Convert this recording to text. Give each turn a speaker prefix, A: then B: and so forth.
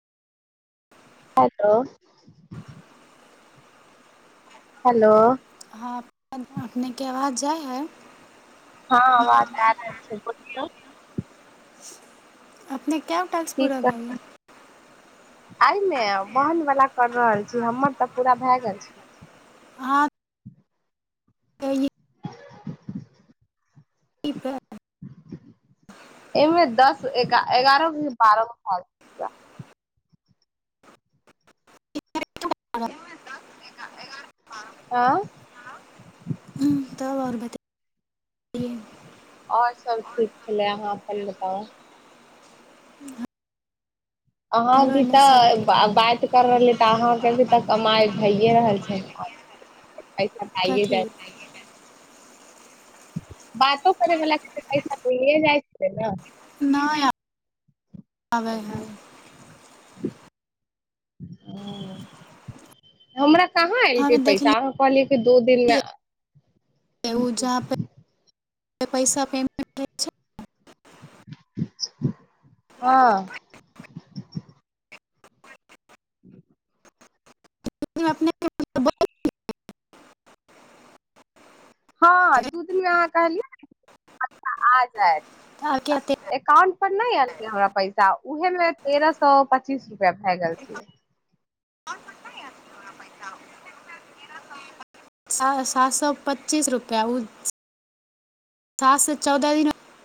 A: hello hello
B: हँ अपने के आवाज जाय आंय
A: हँ आवाज आ रहल छै बोलियौ
B: अपने कै गो टास्क पूरा
A: ठीक
B: भेल
A: एहिमे बहन वला कर रहल छी हमर तऽ पूरा भए गेल छै
B: आ
A: [inaudible]
B: ई पर
A: एहिमे दस एगारह से बारह गो भेल छै पुरा
B: दस एगारह
A: आँ
B: हँ तब आओर बता हूँ [inaudible]
A: आओर सभ ठीक छलै अहाँ अपन बताउ अहां
B: हमरो
A: भी ते
B: एने सब ठीक हइ
A: बात कर रहले ते अहां के भी त कमाई भैए रहल छै [unintelligible] पैसा खाइए
B: कथी
A: जाइ बातो करै वला के तऽ पैसा मिलिये जाय छै न
B: नै या आबै
A: रूम [inaudible] कहाँ
B: हमे
A: एलकै पैसा अहाँ कहलिए दो दिनमे
B: उ जा प पैसा पेमेंट ठीक छै
A: हँ ह [inaudible]
B: िनने [inaudible]
A: हँ दू दिनमे अहाँ कहलियै ने सायद
B: आके अते
A: एकाउंट पर नहि एलतै हमरा पैसा उहे मे तेरह सए पच्चीस रुपआ भए गेल छलै
B: आओर पैसा नै आएल सा सात सए पच्चीस रुपैआ उ सात सँ चौदह दिन